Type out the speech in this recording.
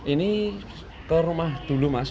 ini ke rumah dulu mas